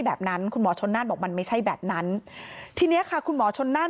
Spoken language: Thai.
แบบนั้นคุณหมอชนน่านบอกมันไม่ใช่แบบนั้นทีเนี้ยค่ะคุณหมอชนนั่น